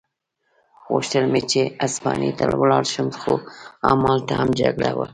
غوښتل مې چې هسپانیې ته ولاړ شم، خو همالته هم جګړه وه.